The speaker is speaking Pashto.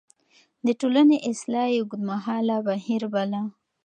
د ټولنې اصلاح يې اوږدمهاله بهير باله.